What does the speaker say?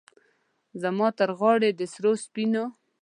زما ترغاړې د سرو، سپینو،